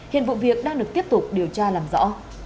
hiện vụ việc đang được tiếp tục điều tra làm rõ